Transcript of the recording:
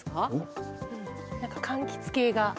なんか、かんきつ系が。